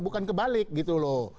bukan kebalik gitu loh